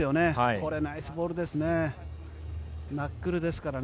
これナイスボールですね。